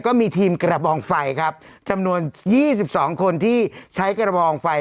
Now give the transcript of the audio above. ก็มีทีมกระบองไฟครับจำนวน๒๒คนที่ใช้กระบองไฟ